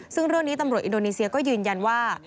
ซึ่งเรื่องนี้ตำรวจอินโดนีเซียก็ยืนยันว่า